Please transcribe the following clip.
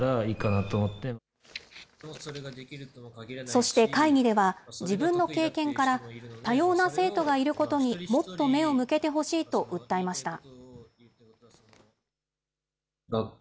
そして、会議では自分の経験から、多様な生徒がいることにもっと目を向けてほしいと訴えました。